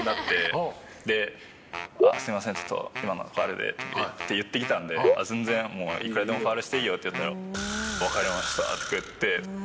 で「すみませんちょっと今のはファウルで」って言ってきたんで「全然もういくらでもファウルしていいよ」って言ったら「わかりました」とか言って。